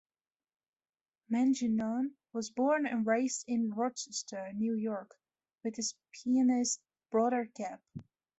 Mangione was born and raised in Rochester, New York, with his pianist brother Gap.